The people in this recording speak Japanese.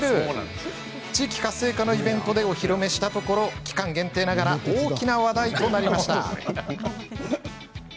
地域活性化のイベントでお披露目したところ期間限定ながら大きな話題となりました。